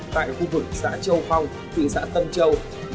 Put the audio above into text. tại khu vực xã châu phong thị xã tân châu